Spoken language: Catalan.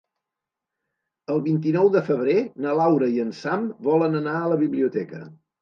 El vint-i-nou de febrer na Laura i en Sam volen anar a la biblioteca.